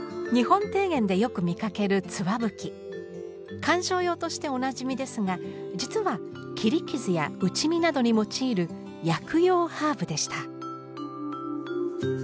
観賞用としておなじみですが実は切り傷や打ち身などに用いる薬用ハーブでした。